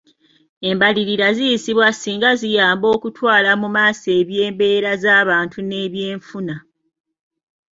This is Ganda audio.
Embalirira ziyisibwa singa ziyamba okutwala mu maaso eby'embeera z'abantu n'ebyenfuna.